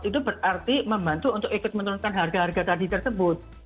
itu berarti membantu untuk ikut menurunkan harga harga tadi tersebut